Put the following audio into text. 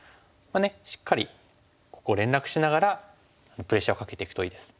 しっかりここ連絡しながらプレッシャーをかけていくといいです。